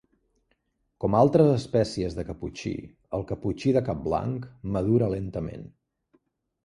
Com altres espècies de caputxí, el caputxí de cap blanc madura lentament.